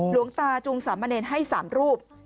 หลวงตาจูงสามเณรให้๓รูป